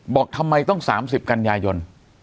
บอกทำไมต้อง๓๐กันยายน